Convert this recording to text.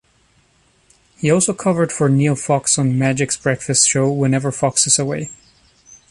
He also covered for Neil Fox on Magic's breakfast show whenever Fox is away.